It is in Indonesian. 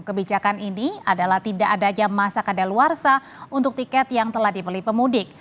kebijakan ini adalah tidak ada jam masak ada luarsa untuk tiket yang telah dipelih pemundik